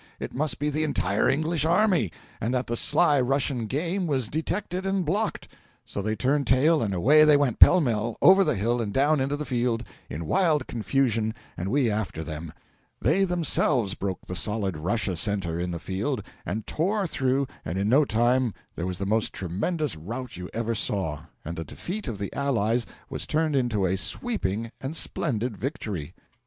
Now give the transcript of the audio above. It must be the entire English army, and that the sly Russian game was detected and blocked; so they turned tail, and away they went, pell mell, over the hill and down into the field, in wild confusion, and we after them; they themselves broke the solid Russia centre in the field, and tore through, and in no time there was the most tremendous rout you ever saw, and the defeat of the allies was turned into a sweeping and splendid victory!